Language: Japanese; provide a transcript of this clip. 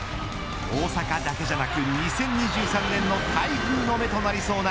大阪だけじゃなく２０２３年の台風の目となりそうな